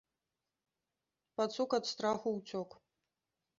Пацук ад страху ўцёк.